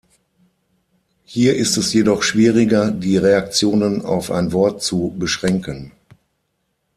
Hier ist es jedoch schwieriger, die Reaktionen auf ein Wort zu beschränken.